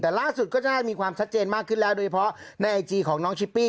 แต่ล่าสุดก็จะมีความชัดเจนมากขึ้นแล้วโดยเฉพาะในไอจีของน้องชิปปี้